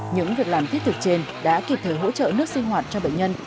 những việc làm thiết thực trên đã kịp thời hỗ trợ nước sinh hoạt cho bệnh nhân